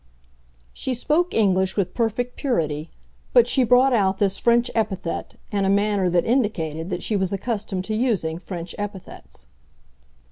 She spoke English with perfect purity; but she brought out this French epithet in a manner that indicated that she was accustomed to using French epithets.